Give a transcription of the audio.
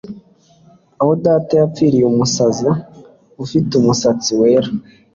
aho data yapfiriye umusaza ufite umusatsi wera